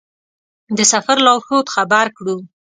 د سفر لارښود خبر کړو.